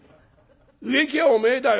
植木屋はおめえだよ。